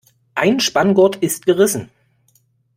Ein Spanngurt ist gerissen.